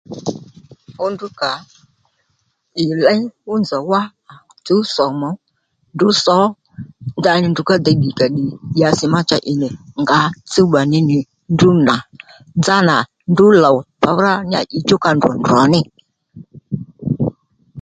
Fú ndrú kà ì léy fú nzòw wá tsǔw somu ó ndrǔw sǒ ndaní ndrǔ ka dey dyǎsi ma cha ì nì ngǎ tsuba ní nì ndrǔ nà nzánà ndrǔ lòw tdrǎ ní yà ì chú ka ndrò ndròní